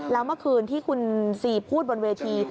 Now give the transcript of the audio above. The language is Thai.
แล้วเมื่อคืนที่คุณซีพูดบนเวที